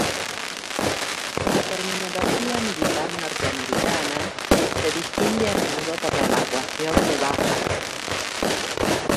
En la terminología militar norteamericana, se distingue a menudo por la evacuación de bajas.